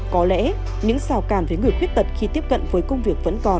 có lẽ những xào càn với người khuyết tật khi tiếp cận với công việc vẫn còn